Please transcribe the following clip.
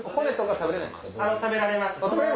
食べられます。